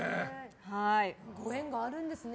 ご縁があるんですね。